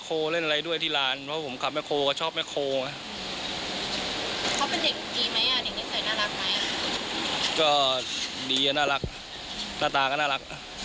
ก็เป็นที่น่ารักของเพื่อนลำงานทุกคนนะ